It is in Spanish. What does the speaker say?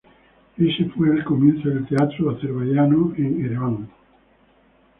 Ese fue el comienzo del teatro azerbaiyano en Ereván.